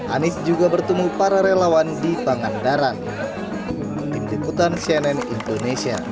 anies juga bertemu para relawan di pangandaran